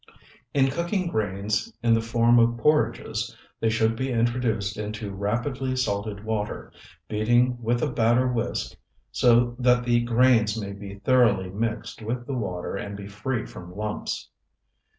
In cooking grains in the form of porridges, they should be introduced into rapidly salted water, beating with a batter whisk so that the grains may be thoroughly mixed with the water and be free from lumps.